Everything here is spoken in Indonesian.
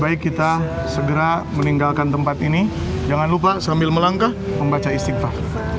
baik kita segera meninggalkan tempat ini jangan lupa sambil melangkah membaca istighfar